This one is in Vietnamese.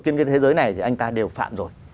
trên cái thế giới này thì anh ta đều phạm rồi